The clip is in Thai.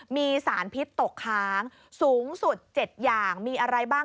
มีสารพิษตกค้างสูงสุด๗อย่างมีอะไรบ้าง